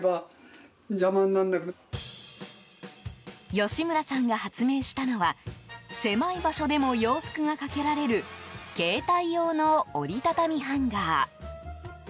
吉村さんが発明したのは狭い場所でも洋服が掛けられる携帯用の折り畳みハンガー。